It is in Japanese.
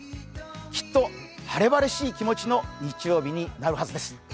きっと晴れ晴れしい気持ちの日曜日になるはずです。